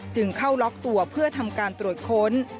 จึงเข้าล็อกตัวเพื่อทำการตรวจค้น